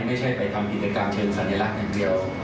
ไม่ใช่ไปทำกิจกรรมเชิงสัญลักษณ์อย่างเดียว